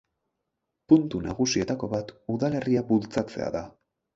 Puntu nagusietako bat udalerria bultzatzea da.